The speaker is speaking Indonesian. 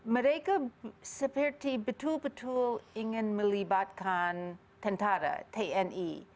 mereka seperti betul betul ingin melibatkan tentara tni